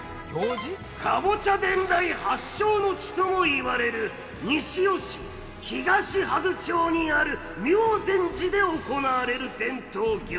かぼちゃ伝来発祥の地ともいわれる西尾市東幡豆町にある妙善寺で行われる伝統行事。